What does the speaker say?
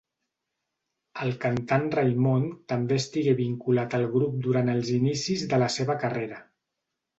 El cantant Raimon també estigué vinculat al grup durant els inicis de la seva carrera.